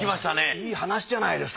いい話じゃないですか。